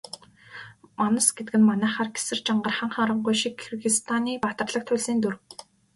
Манас гэдэг нь манайхаар Гэсэр, Жангар, Хан Харангуй шиг Киргизстаны баатарлаг туульсын дүр.